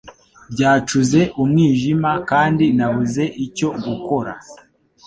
Byacuze umwijima kandi nabuze icyo gukora.